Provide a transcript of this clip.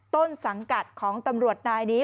ต้นสังกัดของตำรวจนายนี้